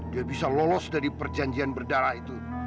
dia bisa lolos dari perjanjian berdarah itu